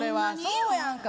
そうやんか。